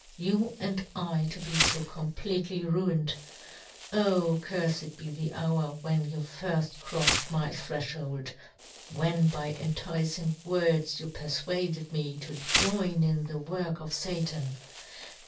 You " and I to be fo completely ruined !" O curfed be the hour when you " firft crofTed my threfhold, when " by enticing words you perfuaded " me to join in the work of Satan